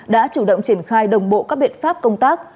đã chủ động triển khai đồng bộ các biện pháp công tác